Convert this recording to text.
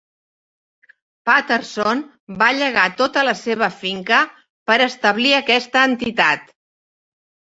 Patterson va llegar tota la seva finca per establir aquesta entitat.